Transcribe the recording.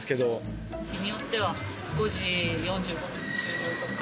日によっては５時４５分に終了とか。